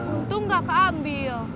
untung gak keambil